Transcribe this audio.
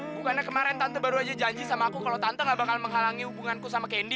bukannya kemarin tante baru aja janji sama aku kalau tante gak bakal menghalangi hubunganku sama kendi